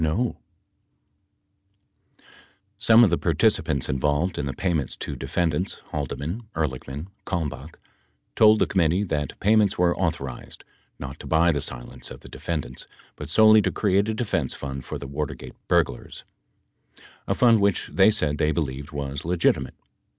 1032 33] Some of the participants involved in the payments to defendants (Haldeman, Ehrlichman, Kalmbach) told the committee that pay ments were authorized, not to buy the silence of the defendants, but solely to create a defense fund for the Watergate burglars, a fund which they said they believed was legitimate.